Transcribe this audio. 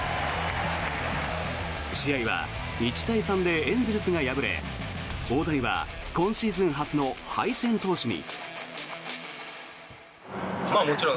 試合は１対３でエンゼルスが敗れ大谷は今シーズン初の敗戦投手に。